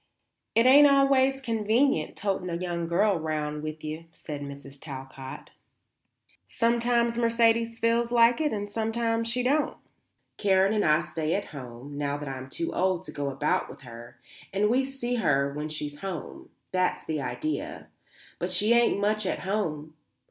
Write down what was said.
"It ain't always convenient toting a young girl round with you," said Mrs. Talcott. "Sometimes Mercedes feels like it and sometimes she don't. Karen and I stay at home, now that I'm too old to go about with her, and we see her when she's home. That's the idea. But she ain't much at home.